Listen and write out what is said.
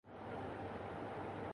آپ کی طویل خاموشی کی کیا وجہ ہے؟